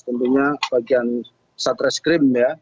tentunya bagian satreskrim